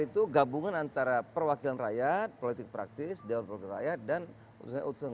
itu gabungan antara perwakilan rakyat politik praktis daerah praktis rakyat dan utusan utusan